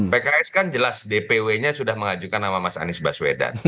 pks kan jelas dpw nya sudah mengajukan nama mas anies baswedan